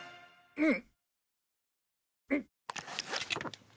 うん！